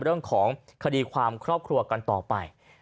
เรื่องของคดีความครอบครัวกันต่อไป